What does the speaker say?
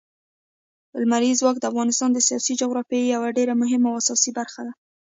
لمریز ځواک د افغانستان د سیاسي جغرافیې یوه ډېره مهمه او اساسي برخه ده.